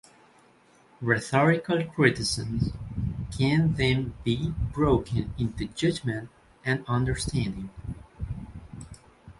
Rhetorical criticism can then be broken into judgment and understanding.